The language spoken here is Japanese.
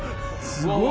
すごい！